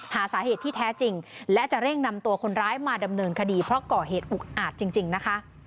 หาสาเหตุที่แท้จริงและจะเร่งนำตัวคนร้ายมาดำเนินคดีเพราะก่อเหตุอุกอาจจริงนะคะ